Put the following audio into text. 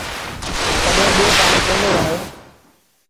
تڏهيݩ ٻيٚو پآڻيٚ ڪوندو وڻي۔